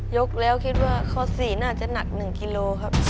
ยกแล้วคิดว่าข้อ๔น่าจะหนัก๑กิโลครับ